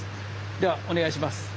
ではお願いします。